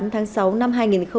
tháng sáu năm hai nghìn hai mươi ba